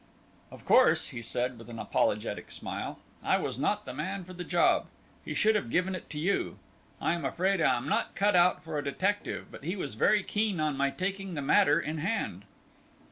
"Of course," he said, with an apologetic smile, "I was not the man for the job he should have given it to you. I am afraid I am not cut out for a detective, but he was very keen on my taking the matter in hand."